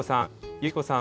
由希子さん。